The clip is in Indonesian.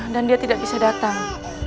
dan dia tidak bisa datang